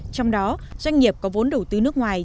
trong đó doanh nghiệp có vốn đầu tư nước ngoài